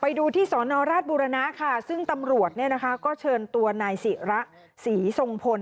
ไปดูที่สอนอราชบุรณะค่ะซึ่งตำรวจเนี่ยนะคะก็เชิญตัวนายศิระศรีทรงพล